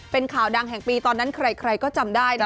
เป็นข่าวดังแห่งปีตอนนั้นใครก็จำได้นะ